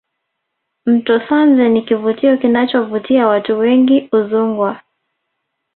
mto sanje ni kivutio kinachovutia watu wengi udzungwa